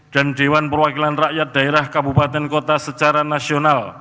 dan dewan perwakilan rakyat daerah kabupaten kota secara nasional